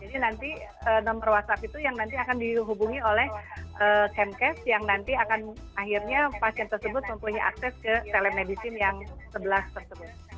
jadi nanti nomor whatsapp itu yang nanti akan dihubungi oleh camcas yang nanti akan akhirnya pasien tersebut mempunyai akses ke telesmedicine yang sebelas tersebut